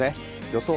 予想